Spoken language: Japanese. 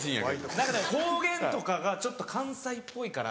何かでも方言とかがちょっと関西っぽいから。